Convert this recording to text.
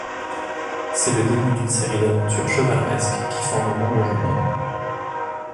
C'est le début d'une série d'aventures chevaleresques qui formeront le jeune homme.